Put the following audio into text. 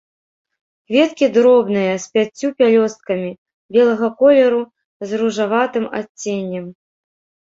Кветкі дробныя, з пяццю пялёсткамі, белага колеру з ружаватым адценнем.